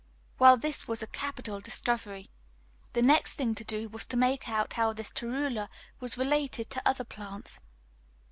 Well, this was a capital discovery. The next thing to do was to make out how this torula was related to the other plants.